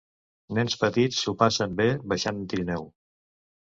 Nens petits s'ho passen bé baixant en trineu